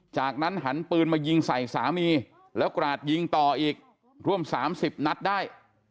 จากนั้นหันปืนมายิงใส่สามีแล้วกราดยิงต่ออีกร่วม๓๐นัดได้